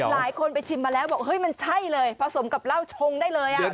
หลายคนไปชิมมาแล้วบอกเฮ้ยมันใช่เลยผสมกับเหล้าชงได้เลย